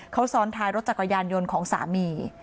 เขาซ้อนท้ายรถจักรยานยนต์ของสามี